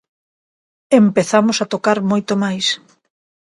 Empezamos a tocar moito máis.